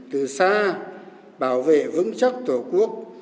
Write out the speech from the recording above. từ xa bảo vệ vững chắc tổ quốc